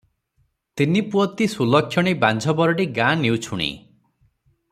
ତିନିପୁଅ ତୀ ସୁଲକ୍ଷଣୀ ବାଞ୍ଝବରଡ଼ୀ ଗାଁ ନିଉଛୁଣୀ ।